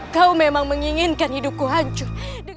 kau memang menginginkan hidupku hancur